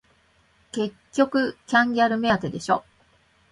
結局キャンギャル目当てでしょ